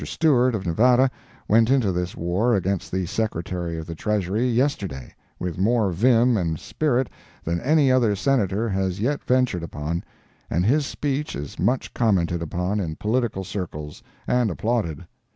Stewart, of Nevada, went into this war against the Secretary of the Treasury, yesterday, with more vim and spirit than any other Senator has yet ventured upon, and his speech is much commented upon in political circles, and applauded.